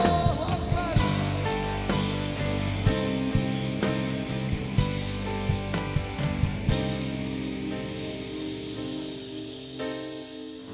tuhan tuhan tuhan